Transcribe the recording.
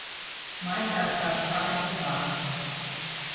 Maisās kā spainis pa aku.